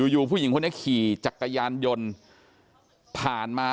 อยู่ผู้หญิงคนนี้ขี่จักรยานยนต์ผ่านมา